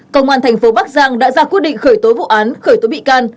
công an thành phố bắc giang đã ra quyết định khởi tối vụ án khởi tối bị can